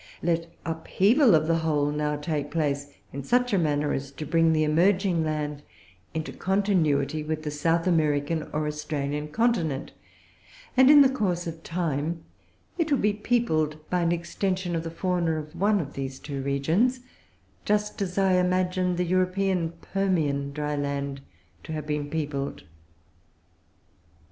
Let upheaval of the whole now take place, in such a manner as to bring the emerging land into continuity with the South American or Australian continent, and, in course of time, it would be peopled by an extension of the fauna of one of these two regions just as I imagine the European Permian dry land to have been peopled.